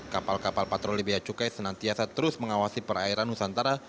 kapal kapal patroli beacukai senantiasa terus mengawasi perairan nusantara